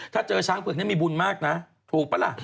ถ้าเจอช้างเผือกนี้มีบุญมากนะถูกปะล่ะ